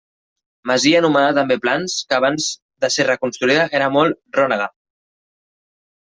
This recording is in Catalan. Masia anomenada també Plans, que abans de ser reconstruïda era molt rònega.